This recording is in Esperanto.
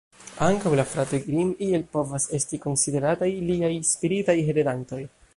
Ankaŭ la Fratoj Grimm iel povas esti konsiderataj liaj spiritaj heredantoj.